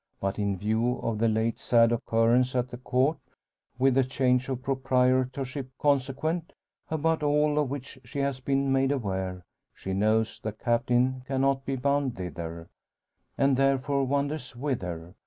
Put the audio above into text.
But in view of the late sad occurrence at the Court, with the change of proprietorship consequent about all of which she has been made aware she knows the Captain cannot be bound thither, and therefore wonders whither.